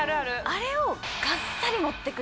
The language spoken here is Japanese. あれを。